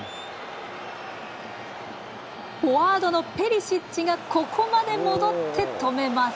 フォワードのペリシッチがここまで戻って止めます。